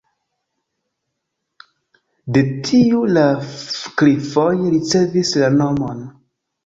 De tiu la klifoj ricevis la nomon.